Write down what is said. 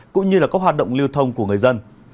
cũng như là các hoạt động lưu thông của người dân